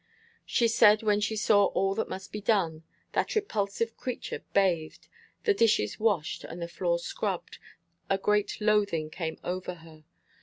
She said, when she saw all that must be done, that repulsive creature bathed, the dishes washed, and the floor scrubbed, a great loathing came over her.